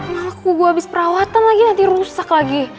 maleku gue abis perawatan lagi nanti rusak lagi